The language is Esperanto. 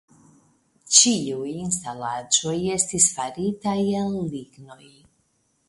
Ĉiuj instalaĵoj estis faritaj el lignoj.